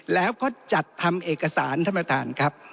แล้วก็จัดทำเอกสารท่านประธานครับ